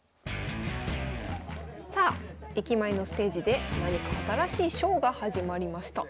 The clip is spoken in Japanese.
さあ駅前のステージで何か新しいショーが始まりました。